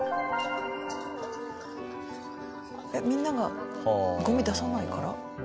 えっみんながゴミ出さないから？